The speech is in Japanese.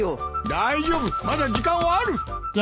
大丈夫まだ時間はある！